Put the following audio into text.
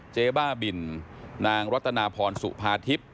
เจ๊บ้าบินนางรัตนาพรสุภาทิพย์